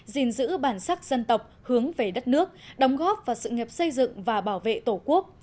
gìn giữ bản sắc dân tộc hướng về đất nước đóng góp vào sự nghiệp xây dựng và bảo vệ tổ quốc